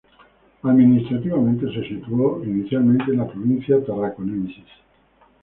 Administrativamente, se situó inicialmente en la provincia "Tarraconensis".